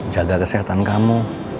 jaga kesehatan kamu